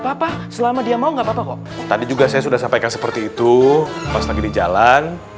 papa selama dia mau nggak apa apa kok tadi juga saya sudah sampaikan seperti itu pas lagi di jalan